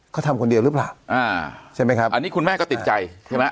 เขาทำคนเดียวหรือเปล่าอ่าใช่ไหมครับอันนี้คุณแม่ก็ติดใจใช่ไหม